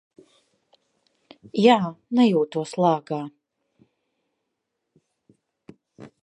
Jā, nejūtos lāgā.